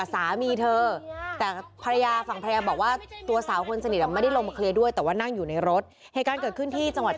สนานแอบแอบแอบหัวชาวบ้านเขาก็ยังโอ้ยตายแล้ว